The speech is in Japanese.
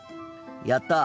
やった！